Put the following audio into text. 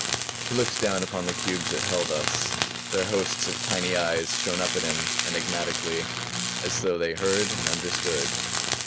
He looked down upon the cubes that held us; their hosts of tiny eyes shone up at him, enigmatically as though they heard and understood.